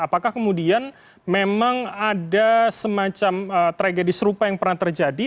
apakah kemudian memang ada semacam tragedi serupa yang pernah terjadi